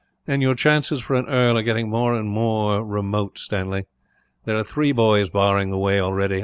"Your chances of an earldom are getting more and more remote, Stanley. There are three boys barring the way, already.